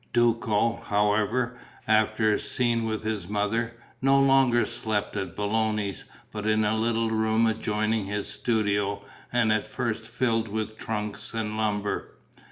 Duco, however, after a scene with his mother, no longer slept at Belloni's but in a little room adjoining his studio and at first filled with trunks and lumber.